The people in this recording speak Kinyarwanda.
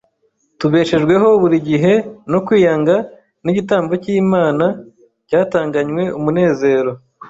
Tubeshejweho buri gihe no kwiyanga n'igitambo cy'Imana cyatanganywe umunezero.